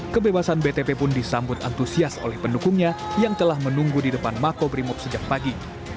kebebasan btp pun disambut antusias oleh pendukungnya yang telah menunggu di depan makobrimob sejak pagi